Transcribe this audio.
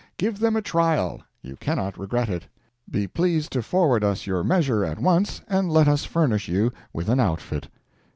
Give them a trial. You cannot regret it. Be pleased to forward us your measure at once, and let us furnish you with an outfit.